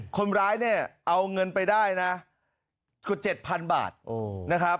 คนร้ายเนี่ยเอาเงินไปได้นะกว่า๗๐๐บาทนะครับ